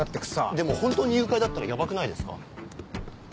でも本当に誘拐だったらヤバくないですか？